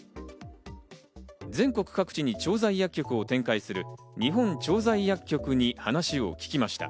全国各地に調剤薬局を展開する日本調剤薬局に話を聞きました。